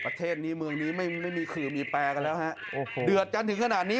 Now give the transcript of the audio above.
ประเทศนี้เมืองนี้ไม่ไม่มีคือมีแปรกันแล้วฮะโอ้โหเดือดกันถึงขนาดนี้